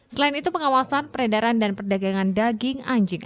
selain itu pengawasan peredaran dan perdagangan daging anjing